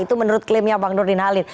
itu menurut klaimnya bang nurdin halid